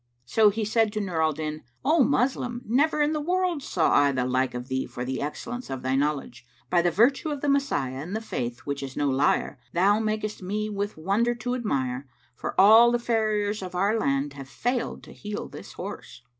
So he said to Nur al Din, "O Moslem, never in the world saw I the like of thee for the excellence of thy knowledge. By the virtue of the Messiah and the Faith which is no liar, thou makest me with wonder to admire, for all the farriers of our land have failed to heal this horse!"